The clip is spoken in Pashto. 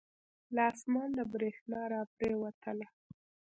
له اسمان نه بریښنا را پریوتله.